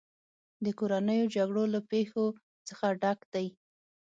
د کورنیو جګړو له پېښو څخه ډک دی.